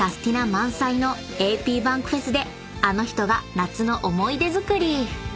満載のａｐｂａｎｋｆｅｓであの人が夏の思い出作り］